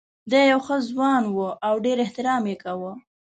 دی یو ښه ځوان و او ډېر احترام یې کاوه.